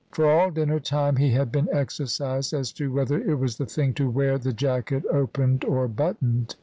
For all dinner time he had been exercised as to whether it was the thing to wear the jacket opened or buttoned.